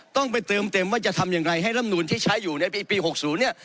ต้องไปเติมเต็มว่าจะทำยังไงให้ลำนูนที่ใช้อยู่ในปี๖๐เนี่ย